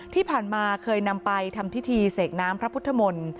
ที่ผ่านมาเคยนำไปทำพิธีเสกน้ำพระพุทธมนตร์